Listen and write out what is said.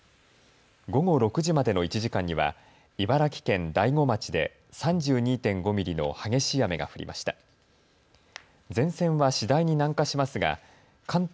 午後６時までの１時間には茨城県大子町で３２．５ミリの激しい雨が降りました。